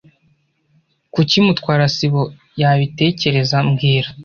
Kuki Mutwara sibo yabitekereza mbwira